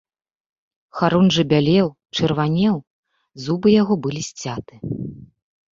Харунжы бялеў, чырванеў, зубы яго былі сцяты.